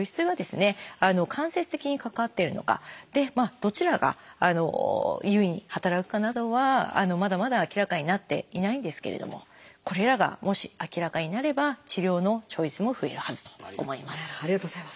どちらが優位に働くかなどはまだまだ明らかになっていないんですけれどもこれらがもし明らかになれば治療のチョイスも増えるはずと思います。